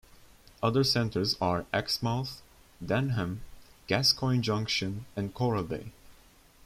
Other centres are Exmouth, Denham, Gascoyne Junction and Coral Bay.